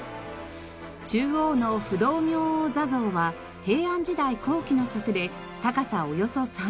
中央の不動明王坐像は平安時代後期の作で高さおよそ３メートル。